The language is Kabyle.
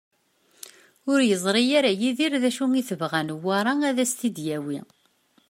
Ur yeẓri ara Yidir d acu i tebɣa Newwara ad as-t-id-yawi.